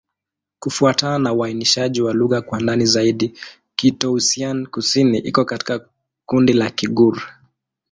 Kufuatana na uainishaji wa lugha kwa ndani zaidi, Kitoussian-Kusini iko katika kundi la Kigur.